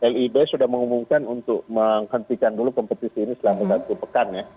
lib sudah mengumumkan untuk menghentikan dulu kompetisi ini selama satu pekan ya